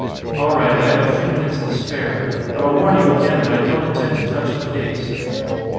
"All right. I have a few minutes to spare, but I'll warn you again that I don't intend to touch the case."